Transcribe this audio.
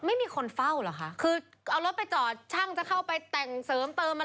ไม่มีคนเฝ้าเหรอคะคือเอารถไปจอดช่างจะเข้าไปแต่งเสริมเติมอะไร